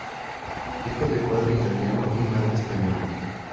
Hijo de padre italiano y madre española.